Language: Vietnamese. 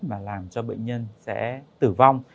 mà làm cho bệnh nhân sẽ tử vong